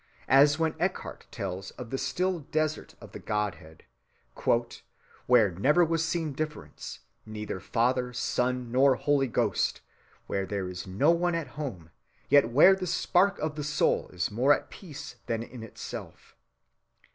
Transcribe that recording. As when Eckhart tells of the still desert of the Godhead, "where never was seen difference, neither Father, Son, nor Holy Ghost, where there is no one at home, yet where the spark of the soul is more at peace than in itself."